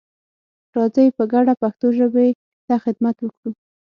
راځئ په ګډه پښتو ژبې ته خدمت وکړو.